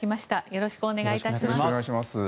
よろしくお願いします。